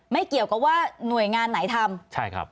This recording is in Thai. ไม่เกี่ยวกับว่าหน่วยงานไหนทำใช่ครับ